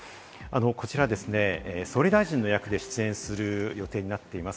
こちら、総理大臣の役で出演する予定になっています